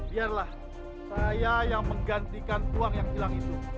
biarlah saya yang menggantikan uang yang hilang itu